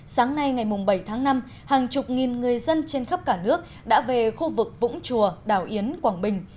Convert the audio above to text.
sáng nay ngày bảy tháng năm hàng chục nghìn người dân trên khắp cả nước đã về khu vực vũng chùa đảo yến quảng bình